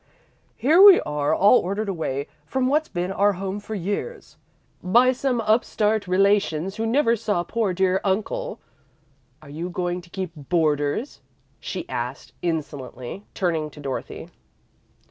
"Here we are, all ordered away from what's been our home for years, by some upstart relations who never saw poor, dear uncle. Are you going to keep boarders?" she asked, insolently, turning to Dorothy.